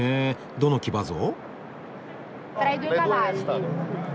どの騎馬像？